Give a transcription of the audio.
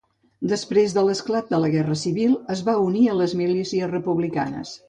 Després de l'esclat de la guerra civil es va unir a les milícies republicanes.